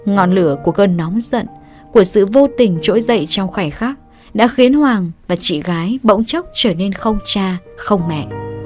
ngọn lửa của cơn nóng giận của sự vô tình trỗi dậy trong khoảnh khắc đã khiến hoàng và chị gái bỗng chốc trở nên không cha không mẹ